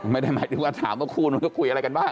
ไม่ได้หมายถึงว่าถามว่าคู่มันก็คุยอะไรกันบ้าง